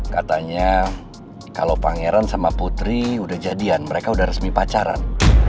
katanya kalau pangeran sama putri udah jadian mereka sudah resmi pacaran